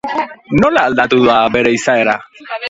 Nola aldatu da bere izaera?